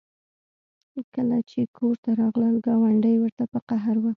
کله چې کور ته راغلل ګاونډۍ ورته په قهر وه